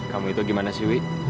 kamu itu gimana sih wi